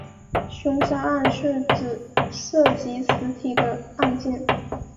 凶杀案是指涉及死体的案件。